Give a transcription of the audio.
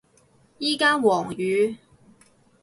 而家黃雨